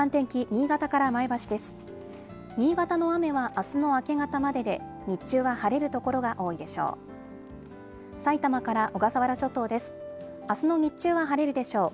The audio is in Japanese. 新潟の雨はあすの明け方までで、日中は晴れる所が多いでしょう。